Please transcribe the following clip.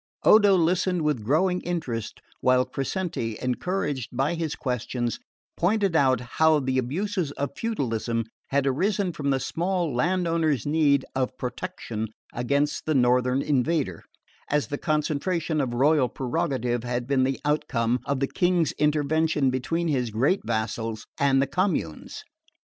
Odo listened with growing interest while Crescenti, encouraged by his questions, pointed out how the abuses of feudalism had arisen from the small land owner's need of protection against the northern invader, as the concentration of royal prerogative had been the outcome of the king's intervention between his great vassals and the communes.